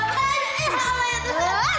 oh beneran gua tadi